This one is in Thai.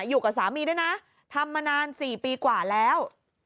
อยู่กับสามีด้วยนะทำมานาน๔ปีกว่าแล้ว